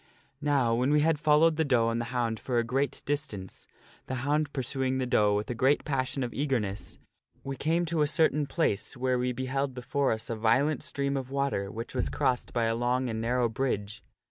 Now, when we had followed the doe and the hound for a great distance the hound pursuing the doe with a great passion of eager ness we came to a certain place where we beheld before us a violent THE STORY OF SIR BRANDEMERE 217 stream of water which was crossed by a long and narrow bridge.